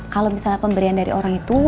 kalau misalnya pemberian dari orang itu